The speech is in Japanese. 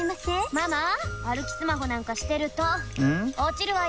ママ歩きスマホなんかしてると落ちるわよ。